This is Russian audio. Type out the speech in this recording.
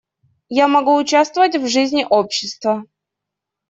Я могу участвовать в жизни общества.